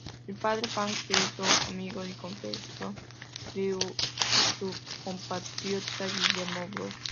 El Padre Fahy se hizo amigo y confesor de su compatriota Guillermo Brown.